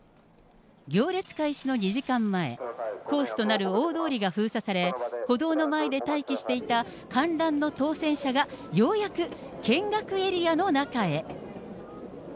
行列開始の２時間前、コースとなる大通りが封鎖され、歩道の前で待機していた観覧の当せん者がようやく見学エリアの中へ。